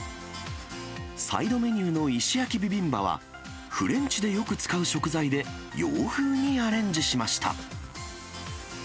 サイドメニューの石焼きビビンバは、フレンチでよく使う食材で、洋風にアレンジしました。